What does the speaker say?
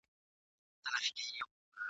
ژوند په خیال کي تېرومه راسره څو خاطرې دي !.